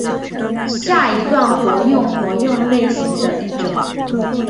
下一段活用活用类型的一种。